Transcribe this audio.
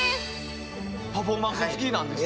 パフォーマンスつきなんです。